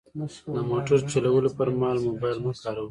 د موټر چلولو پر مهال موبایل مه کاروئ.